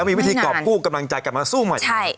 มีวิธีกรอบกู้กำลังใจกลับมาสู้ใหม่